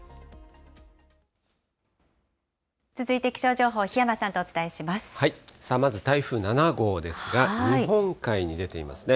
続いて気象情報、まず台風７号ですが、日本海に出ていますね。